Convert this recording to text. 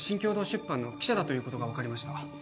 出版の記者だということが分かりました